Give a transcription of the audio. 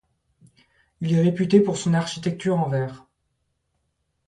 Il est réputé pour son architecture en verre.